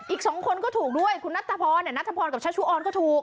อีกสองคนก็ถูกด้วยคุณนัทธพรนัทพรกับชัชชุออนก็ถูก